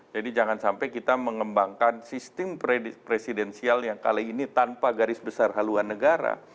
jadi jangan sampai kita mengembangkan sistem presidensial yang kali ini tanpa garis besar haluan negara